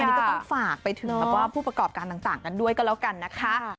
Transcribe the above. อันนี้ก็ต้องฝากไปถึงผู้ประกอบการต่างกันด้วยก็แล้วกันนะคะ